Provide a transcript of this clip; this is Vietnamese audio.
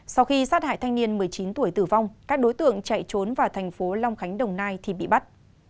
sau khi sát hại thanh niên một mươi chín tuổi tử vong các đối tượng chạy trốn vào thành phố long khánh đồng nai thì bị bắt